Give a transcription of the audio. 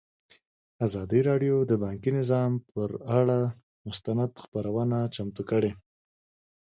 ازادي راډیو د بانکي نظام پر اړه مستند خپرونه چمتو کړې.